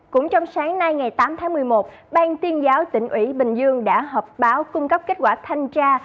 cũng trong sáng nay ngày tám tháng một mươi một bang tuyên giáo tỉnh ủy bình dương đã họp báo cung cấp kết quả thanh tra